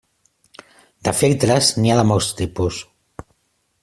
De filtres n'hi ha de molts tipus.